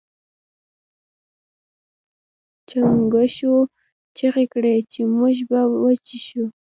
چنګښو چیغې کړې چې موږ به وچې شو.